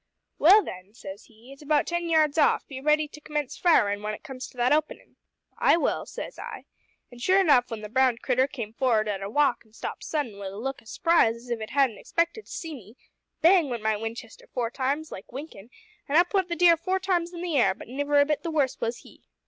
`Well then,' says he, `it's about ten yards off; be ready to commence firin' when it comes to that openin'.' `I will,' says I. An', sure enough, when the brown critter came for'id at a walk an' stopped sudden wi' a look o' surprise as if it hadn't expected to see me, bang went my Winchester four times, like winkin', an' up went the deer four times in the air, but niver a bit the worse was he.